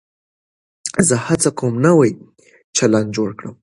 زه هڅه کوم نوی چلند جوړ کړم.